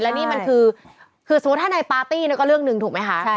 และนี่มันคือสมมุติถ้าในปาร์ตี้ก็เรื่องหนึ่งถูกไหมคะ